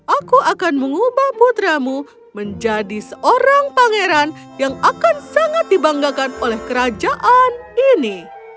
aku akan mengubah putramu menjadi seorang pangeran yang akan sangat dibanggakan oleh kerajaan ini